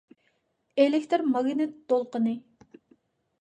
ئېلېكتىر ماگنىت دولقۇنى